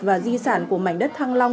và di sản của mảnh đất thăng long